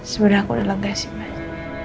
sebenernya aku udah lega sih mas